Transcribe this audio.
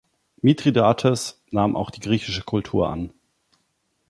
Mithridates nahm auch die griechische Kultur an.